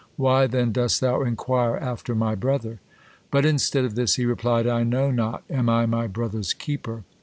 Why then dost Thou inquire after my brother?" But instead of this he replied, "I know not. Am I my brother's keeper?"